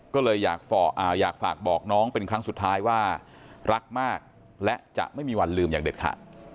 ก็เลยอยากฝากบอกน้องเป็นครั้งสุดท้ายว่ารักมากและจะไม่มีวันลืมอย่างเด็ดขาด